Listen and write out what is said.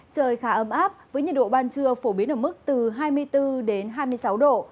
trời khá ấm áp với nhiệt độ ban trưa phổ biến ở mức từ hai mươi bốn đến hai mươi sáu độ